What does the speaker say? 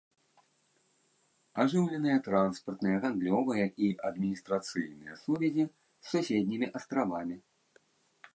Ажыўленыя транспартныя, гандлёвыя і адміністрацыйныя сувязі з суседнімі астравамі.